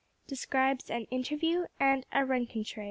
DESCRIBES AN INTERVIEW AND A RENCONTRE.